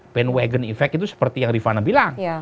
panewagon effect itu seperti yang rifana bilang